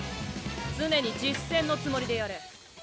常に実戦のつもりでやれ。